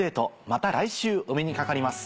また来週お目にかかります。